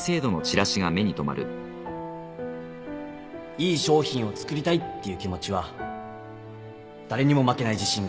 いい商品を作りたいっていう気持ちは誰にも負けない自信があります